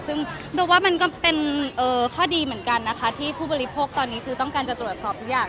เบลว่ามันเป็นข้อดีเหมือนกันที่ผู้บริโภคตอนนี้ต้องการตรวจสอบทุกอย่าง